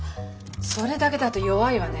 それだけだと弱いわね。